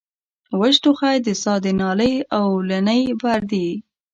وچ ټوخی د ساه د نالۍ د اولنۍ پردې